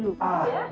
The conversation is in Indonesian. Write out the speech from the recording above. ah itu setuju